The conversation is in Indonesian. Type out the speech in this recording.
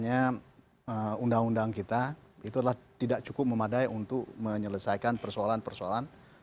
oke jadi begini dari diskusi ini kan jelas bahwasannya undang undang kita itu adalah tidak cukup memadai untuk menyelesaikan persoalan persoalan